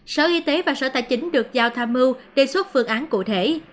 sở y tế và sở tài chính được giao tham mưu đề xuất phương án cụ thể